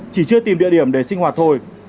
chỉ chưa tìm địa điểm để sinh hoạt thôi